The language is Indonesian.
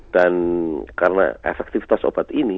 dan karena efektifitas obat ini